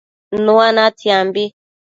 Nua natsiambi